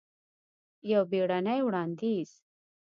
یو بیړنې وړاندیز!